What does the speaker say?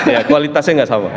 ya kualitasnya tidak sama